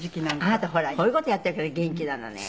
あなたほらこういう事をやっているから元気なのね。